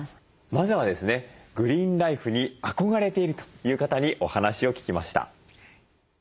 まずはですねグリーンライフに憧れているという方にお話を聞きました。